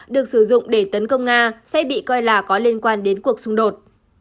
được sử dụng để tấn công nga sẽ bị coi là có liên quan đến cuộc xung đột